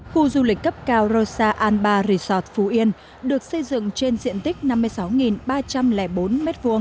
khu du lịch cấp cao rosa an ba resort phú yên được xây dựng trên diện tích năm mươi sáu ba trăm linh bốn m hai